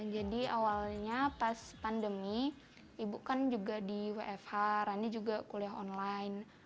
awalnya pas pandemi ibu kan juga di wfh rani juga kuliah online